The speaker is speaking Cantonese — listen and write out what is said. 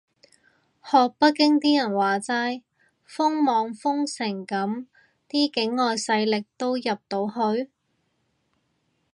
學北京啲人話齋，封網封成噉啲境外勢力都入到去？